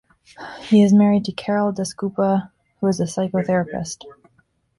He is married to Carol Dasgupta, who is a psychotherapist.